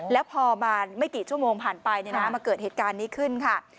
แล้วพอมาไม่กี่ชั่วโมงผ่านไปมาเกิดเหตุการณ์นี้ขึ้นค่ะ